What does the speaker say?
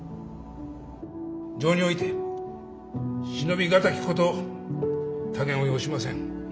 情において、忍び難きこと多言を要しません。